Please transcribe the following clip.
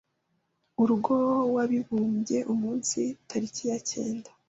’Urugo w’Ebibumbye umunsi teriki ye cyende.